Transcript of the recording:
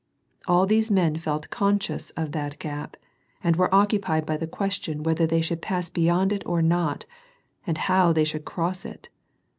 All the men felt conscious of that gap, and were occupied by the question whether they should pass beyond it or not, and how they should cross it.